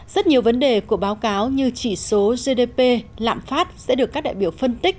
rất nhiều vấn đề của báo cáo như chỉ số gdp lạm phát sẽ được các đại biểu phân tích